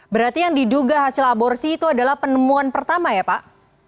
berarti yang diduga hasil aborsi itu adalah penemuan pertama ya pak